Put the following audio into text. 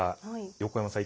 横山さん